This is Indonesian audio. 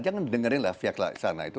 jangan dengerinlah fiak sana itu